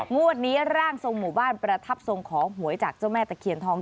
งวดนี้ร่างทรงหมู่บ้านประทับทรงขอหวยจากเจ้าแม่ตะเคียนทอง